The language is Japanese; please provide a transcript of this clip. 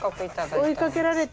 追いかけられて。